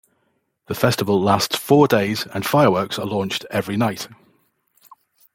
The festival lasts four days and fireworks are launched every night.